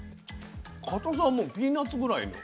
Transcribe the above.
かたさはもうピーナツぐらいの。